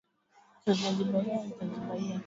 Vyakula vyetu vimeiva